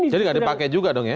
jadi gak dipakai juga dong ya